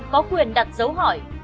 có quyền đặt dấu hỏi